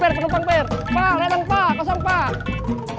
per per penumpang per